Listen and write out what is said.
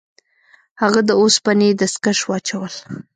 هغه د اوسپنې دستکش واچول.